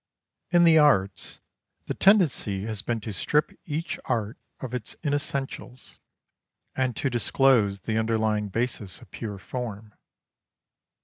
In the arts, the tendency has been to strip each art of its inessentials and to disclose the underlying basis of pure form.